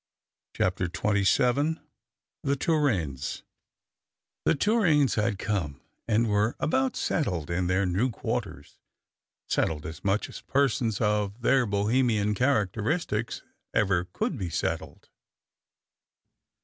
CHAPTER XXVII THE TORRAINES The Torraines had come, and were about settled in their new quarters — settled as much as persons of their Bohemian characteristics ever could be settled.